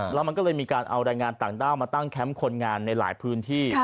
แล้วมันก็เลยมีการเอารายงานต่างด้าวมาตั้งแคมป์คนงานในหลายพื้นที่